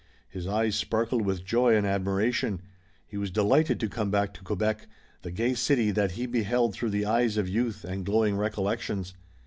His eyes sparkled with joy and admiration. He was delighted to come back to Quebec, the gay city that he beheld through the eyes of youth and glowing recollections.